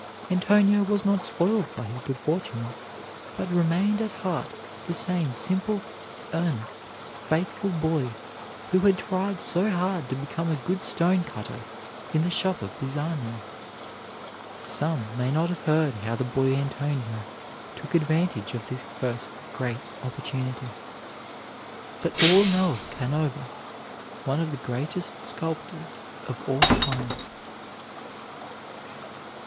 Antonio was not spoiled by his good fortune, but remained at heart the same simple, earnest, faithful boy who had tried so hard to become a good stone cutter in the shop of Pisano. Some may not have heard how the boy Antonio took advantage of this first great opportunity; but all know of Canova, one of the greatest sculptors of all time.